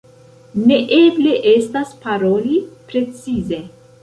Neeble estas paroli precize.